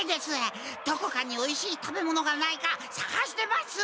どこかにおいしい食べ物がないかさがしてます。